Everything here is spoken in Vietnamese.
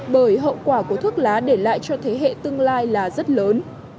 bởi hậu quả của thuốc lá để lại cho thế hệ tương lai là rất lớn